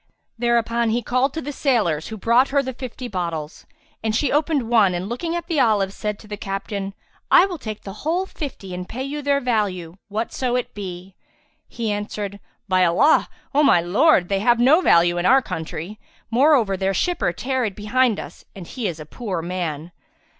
'' Thereupon he called to the sailors, who brought her the fifty bottles; and she opened one and, looking at the olives, said to the captain, "I will take the whole fifty and pay you their value, whatso it be." He answered, "By Allah, O my lord, they have no value in our country; moreover their shipper tarried behind us, and he is a poor man."